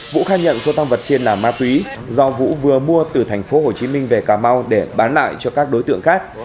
vũ khai nhận số tăng vật trên là ma túy do vũ vừa mua từ thành phố hồ chí minh về cà mau để bán lại cho các đối tượng khác